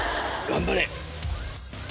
頑張れ。